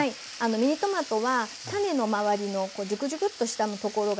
ミニトマトは種の周りのジュクジュクとしたところが多いんですね。